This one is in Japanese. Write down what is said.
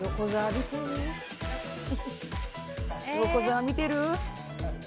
横澤見てる？